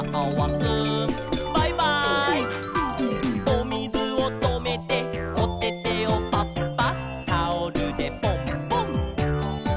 「おみずをとめておててをパッパッ」「タオルでポンポン」